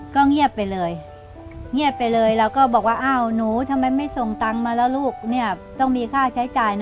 ที่นั่งวัดบอกแล้วเดี๋ยวจะส่งให้